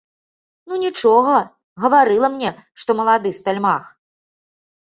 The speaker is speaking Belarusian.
Ну, нічога, гаварыла мне, што малады стальмах.